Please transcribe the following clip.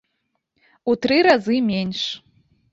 У тры разы менш!